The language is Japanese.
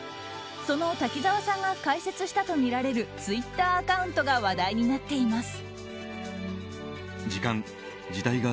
その滝沢さんが開設したとみられるツイッターアカウントが話題になっています。